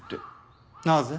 なぜ？